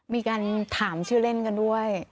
มีการถามชื่อเล่นกันด้วย